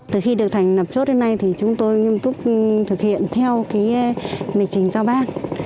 từ khi được thành lập chốt đến nay thì chúng tôi nghiêm túc thực hiện theo lịch trình giao ban